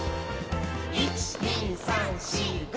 「１．２．３．４．５．」